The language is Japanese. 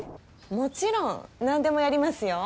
もちろん何でもやりますよ。